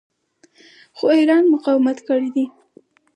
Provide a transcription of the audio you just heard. خو ایران مقاومت کړی دی.